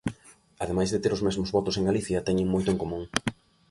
Ademais de ter os mesmos votos en Galicia, teñen moito en común.